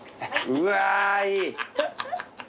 うわーいい。